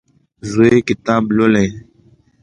زوی کتاب لولي.